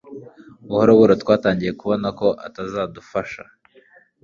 Buhoro buhoro twatangiye kubona ko atazadufasha